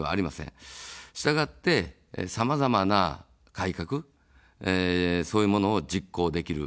したがって、さまざまな改革、そういうものを実行できる。